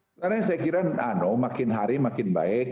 sekarang saya kira makin hari makin baik